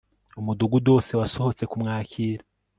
Umudugudu wose wasohotse kumwakira